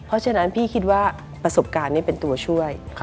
เพราะฉะนั้นพี่คิดว่าประสบการณ์นี้เป็นตัวช่วย